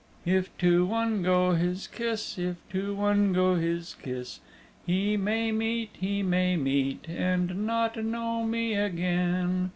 If to one go his kiss, if to one go his kiss, He may meet, he may meet, and not know me again.